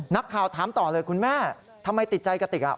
นักข่าวถามต่อเลยคุณแม่ทำไมติดใจกระติก